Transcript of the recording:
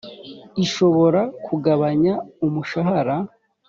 ishobora kugabanya umushahara